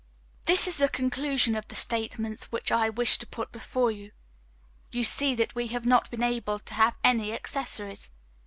This is the conclusion of the statements which I wished to put before you. You see we have not been able to have any accessories.